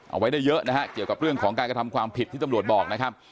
เอาไว้ได้เยอะนะฮะเกี่ยวกับเรื่องของการกระทำความผิดที่ตำรวจบอกนะครับ